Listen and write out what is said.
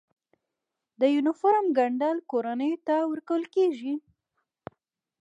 د یونیفورم ګنډل کورنیو ته ورکول کیږي؟